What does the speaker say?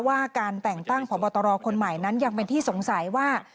ว่าการแต่งตั้งพบตรคนใหม่นั้นยังเป็นที่สงสัยว่า